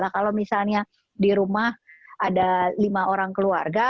kalau misalnya di rumah ada lima orang keluarga